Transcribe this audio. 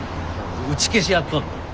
打ち消し合っとんな。